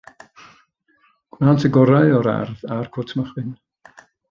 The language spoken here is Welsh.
Gwnaent y gorau o'r ardd a'r cut mochyn.